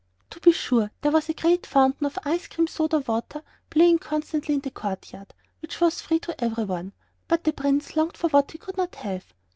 To be sure, there was the great fountain of ice cream soda water playing constantly in the courtyard, which was free to every one; but the Prince longed for what he could not have.